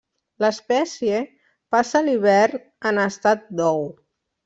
L'espècie passa l'hivern en estat d'ou.